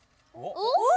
おっ？